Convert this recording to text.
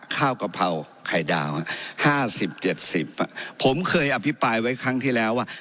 กะเพราไข่ดาว๕๐๗๐ผมเคยอภิปรายไว้ครั้งที่แล้วว่า